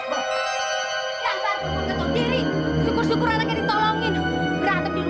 syukur syukur anaknya ditolongin